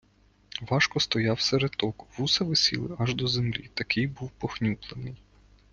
Важко стояв серед току, вуса висіли аж до землі, такий був похнюплений.